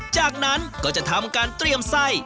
จากนั้นก็จะทำการเตรียมไส้